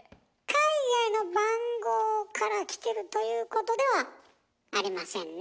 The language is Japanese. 海外の番号からきてるということではありませんねえ。